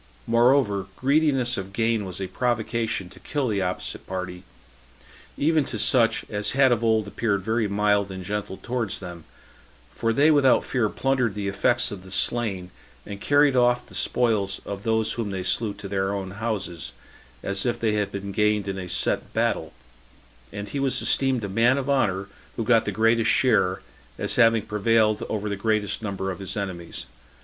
Moreover, greediness of gain was a provocation to kill the opposite party, even to such as had of old appeared very mild and gentle towards them; for they without fear plundered the effects of the slain, and carried off the spoils of those whom they slew to their own houses, as if they had been gained in a set battle; and he was esteemed a man of honor who got the greatest share, as having prevailed over the greatest number of his enemies.